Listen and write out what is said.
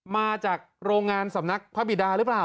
มาจากโรงงานสำนักพระบิดาหรือเปล่า